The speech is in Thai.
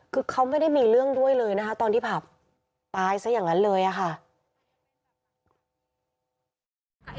คือเขาไม่ได้มีเรื่องด้วยเลยนะคะตอนที่ผับตายซะอย่างนั้นเลยอะค่ะ